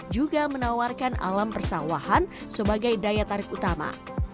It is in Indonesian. juga menawarkan alam persawahan sebagai daya tarik utama